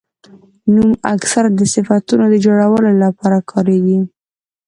نوم اکثره د صفتونو د جوړولو له پاره کاریږي.